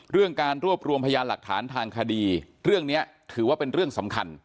การรวบรวมพยานหลักฐานทางคดีเรื่องนี้ถือว่าเป็นเรื่องสำคัญ